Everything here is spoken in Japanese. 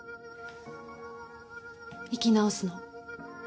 生き直すの。